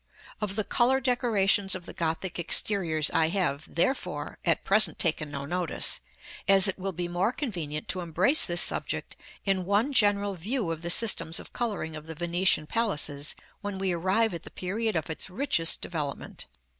Of the color decorations of the Gothic exteriors I have, therefore, at present taken no notice, as it will be more convenient to embrace this subject in one general view of the systems of coloring of the Venetian palaces, when we arrive at the period of its richest developement.